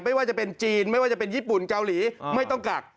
ไม่ว่าจะเป็นจีนไม่ว่าจะเป็นญี่ปุ่นเกาหลีไม่ต้องกัก